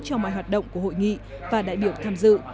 cho mọi hoạt động của hội nghị và đại biểu tham dự